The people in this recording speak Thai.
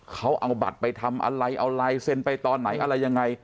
เขาเอาบัตรไปทำอะไรเอาลายเซ็นไปตอนไหนอะไรยังไง